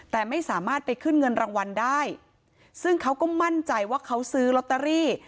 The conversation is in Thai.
แต่ไม่สามารถไปขึ้นเงินรางวัลได้ซึ่งเขาก็มั่นใจว่าเขาซื้อลอตเตอรี่